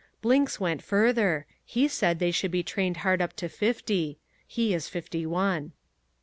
Blinks went further. He said they should be trained hard up to fifty. He is fifty one.